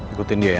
ikutin dia ya